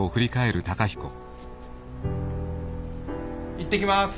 行ってきます。